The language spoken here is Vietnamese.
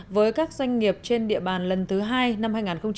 với các doanh nghiệp trên địa bàn lần thứ hai năm hai nghìn một mươi sáu